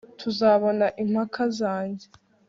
ntuzabona impaka zanjye